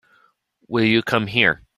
Will you come here?